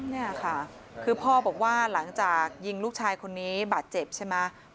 นี่ค่ะคือพ่อบอกว่าหลังจากยิงลูกชายคนนี้บาดเจ็บใช่ไหม